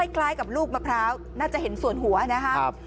คล้ายกับลูกมะพร้าวน่าจะเห็นส่วนหัวนะครับ